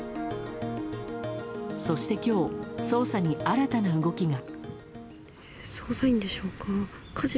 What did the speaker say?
そして今日、捜査に新たな動きが。